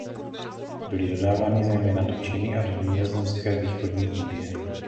Byly dodávány zejména do Číny a do Nizozemské Východní Indie.